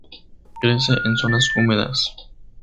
Crece en zonas húmedas.